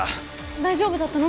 大丈夫だったの？